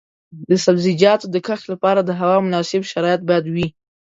د سبزیجاتو د کښت لپاره د هوا مناسب شرایط باید وي.